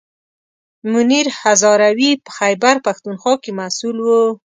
منیر هزاروي په خیبر پښتونخوا کې مسوول و.